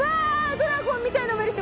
ドラゴンみたいなのもいるし。